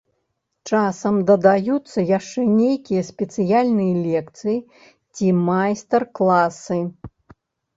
Часам дадаюцца яшчэ нейкія спецыяльныя лекцыі ці майстар-класы.